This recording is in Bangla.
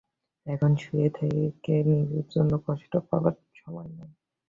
এখন শুয়ে থেকে নিজের জন্য কষ্ট পাবার সময় নয়।